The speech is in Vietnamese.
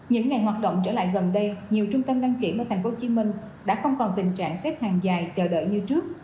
những ngày hoạt động trở lại gần đây nhiều trung tâm đăng kiểm ở tp hcm đã không còn tình trạng xếp hàng dài chờ đợi như trước